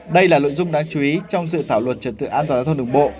đây là nội dung đáng chú ý trong dự thảo luật trật tự an toàn giao thông đường bộ